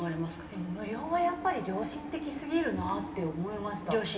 でも無料はやっぱり良心的すぎるなって思いました。